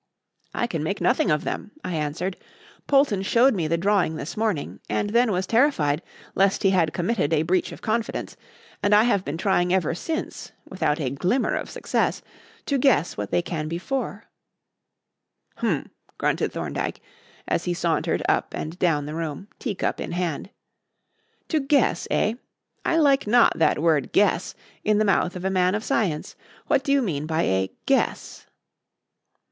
"I can make nothing of them," I answered. "Polton showed me the drawing this morning, and then was terrified lest he had committed a breach of confidence, and I have been trying ever since, without a glimmer of success, to guess what they can be for." "H'm," grunted Thorndyke, as he sauntered up and down the room, teacup in hand, "to guess, eh? I like not that word 'guess' in the mouth of a man of science. What do you mean by a 'guess'?"